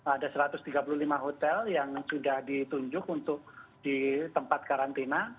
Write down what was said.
ada satu ratus tiga puluh lima hotel yang sudah ditunjuk untuk di tempat karantina